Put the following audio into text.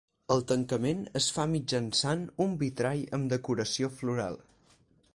El tancament es fa mitjançant un vitrall amb decoració floral.